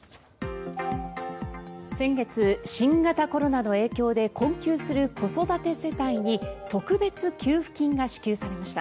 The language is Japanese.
先月、新型コロナの影響で困窮する子育て世帯に特別給付金が支給されました。